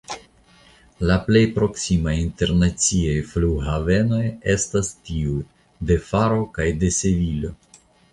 La plej proksimaj internaciaj flughavenoj estas tiuj de Faro kaj de Sevilo.